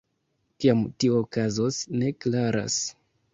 Kiam tio okazos, ne klaras.